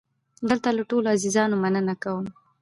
دلته له ټولو عزیزانو مننه کوم.